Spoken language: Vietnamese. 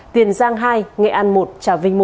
tiền giang hai nghệ an một trà vinh một